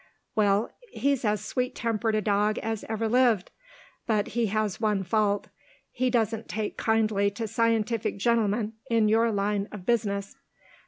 "Well, he's as sweet tempered a dog as ever lived. But he has one fault. He doesn't take kindly to scientific gentlemen in your line of business."